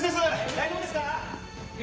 大丈夫ですよ。